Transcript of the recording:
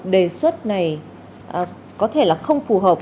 đề xuất này có thể là không phù hợp